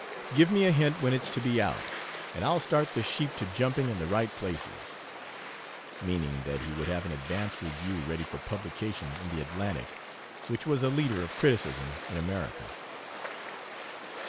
Give me a hint when it's to be out, and I'll start the sheep to jumping in the right places" meaning that he would have an advance review ready for publication in the Atlantic, which was a leader of criticism in America.